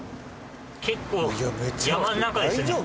結構山の中ですね。